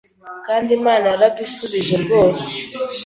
Kandi Imana yaradusubije rwose.